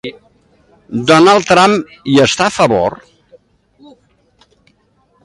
Donald Trump hi està a favor?